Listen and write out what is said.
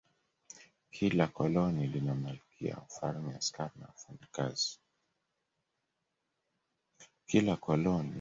Kila koloni lina malkia, mfalme, askari na wafanyakazi.